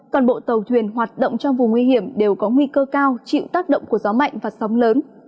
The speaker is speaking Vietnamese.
toàn bộ tàu thuyền hoạt động trong vùng nguy hiểm đều có nguy cơ cao chịu tác động của gió mạnh và sóng lớn